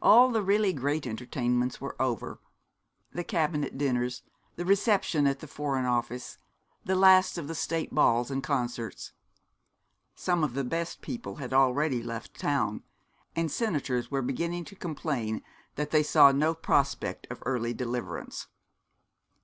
All the really great entertainments were over the Cabinet dinners, the Reception at the Foreign Office, the last of the State balls and concerts. Some of the best people had already left town; and senators were beginning to complain that they saw no prospect of early deliverance.